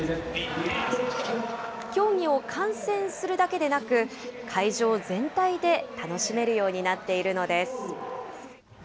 競技を観戦するだけでなく、会場全体で楽しめるようになっているのです。